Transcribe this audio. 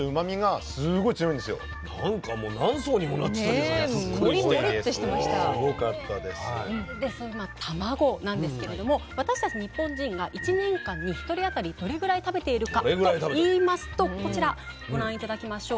でそのたまごなんですけれども私たち日本人が一年間に１人当たりどれぐらい食べているかといいますとこちらご覧頂きましょう。